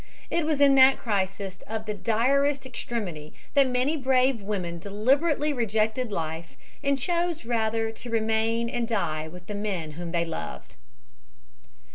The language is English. It was in that crisis of the direst extremity that many brave women deliberately rejected life and chose rather to remain and die with the men whom they loved.